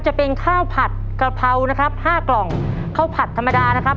จะเป็นข้าวผัดกะเพรานะครับห้ากล่องข้าวผัดธรรมดานะครับ